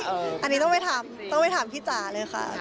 อันนี้ต้องไปทำต้องไปถามพี่จ๋าเลยค่ะ